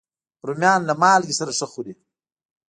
رومیان له مالګې سره ښه خوري